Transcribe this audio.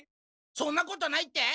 そんなことないって？